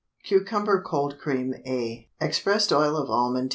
CUCUMBER COLD CREAM A. Expressed oil of almond 2 lb.